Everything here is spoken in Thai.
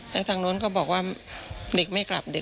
และทางโน้นก็บอกว่าเด็กไม่กลับ